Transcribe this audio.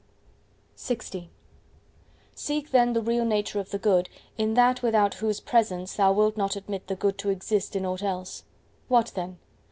LX Seek then the real nature of the Good in that without whose presence thou wilt not admit the Good to exist in aught else.—What then?